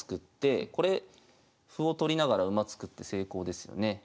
これ歩を取りながら馬作って成功ですよね。